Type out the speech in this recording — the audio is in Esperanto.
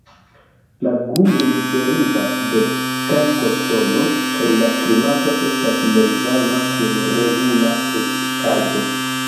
La grundoj derivas de kalkoŝtono, kaj la klimato estas mezvarma kun regula precipitaĵo.